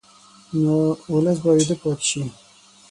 نو ولس به ویده پاتې شي.